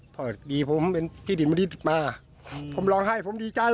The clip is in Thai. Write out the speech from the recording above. พอดีผมเป็นที่ดินวันนี้มาผมร้องไห้ผมดีใจ